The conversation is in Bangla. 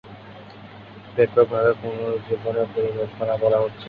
ব্যাপকভাবে পুনরুজ্জীবনের পরিকল্পনা করা হচ্ছে।